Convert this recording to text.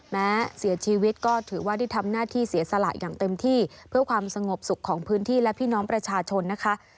แม้เสียชีวิตก็ถือว่าได้ทำหน้าที่เสียสละอย่างเต็มที่เพื่อความสงบสุขของพื้นที่และพี่น้องประชาชนนะคะ